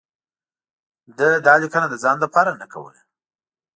ده دا لیکنه د ځان لپاره نه کوله.